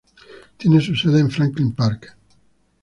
Tiene su sede en Franklin Park.